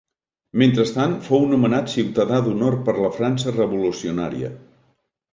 Mentrestant, fou nomenat ciutadà d'honor per la França Revolucionària.